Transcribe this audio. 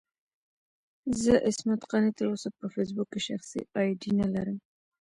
زه عصمت قانع تر اوسه په فېسبوک کې شخصي اې ډي نه لرم.